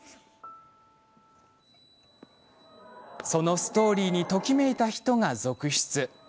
そのストーリーにときめいた人が続出。